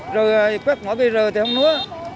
rồi quét mở vr thì không nữa